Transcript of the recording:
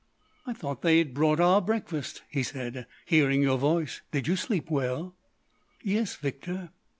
"I thought they'd brought our breakfast," he said, "—hearing your voice.... Did you sleep well?" "Yes, Victor."